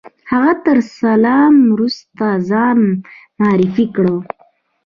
هغه تر سلام وروسته ځان معرفي کړ.